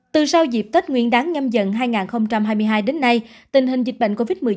từ sau dịp tết nguyên đáng nhâm dần hai nghìn hai mươi hai đến nay tình hình dịch bệnh covid một mươi chín